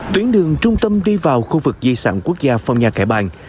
tuyến đường trung tâm đi vào khu vực di sản quốc gia phong nha kẻ bàng